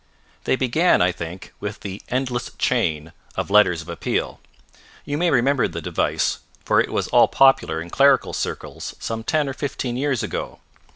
They began, I think, with the "endless chain" of letters of appeal. You may remember the device, for it was all popular in clerical circles some ten or fifteen years ago.